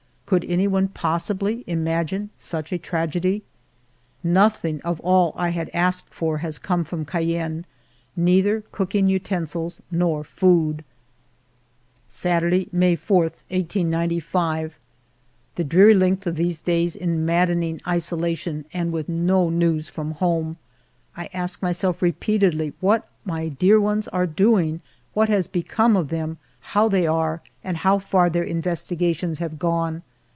Could any one possibly imagine such a tragedy ?... Nothing of all I had asked for has come from Cayenne, neither cooking utensils nor food. Saturday^ May 4, 1895. The dreary length of these days in maddening isolation and with no news from home ! I ask ALFRED DREYFUS 131 myself repeatedly what my dear ones are doing ; what has become of them, how they are, and how far their investigations have gone.